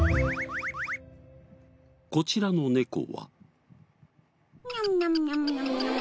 こちらの猫は。